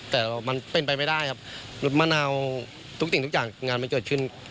แต่มันเป็นไปไม่ได้ครับรถมะนาวทุกสิ่งทุกอย่างงานมันเกิดขึ้น